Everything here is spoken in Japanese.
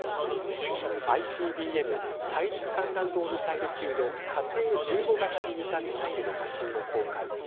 ＩＣＢＭ＝大陸間弾道ミサイル級の火星１５型に似たミサイルの写真も公開。